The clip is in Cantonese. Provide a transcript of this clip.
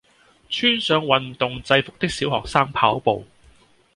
穿上運動制服的小學生跑步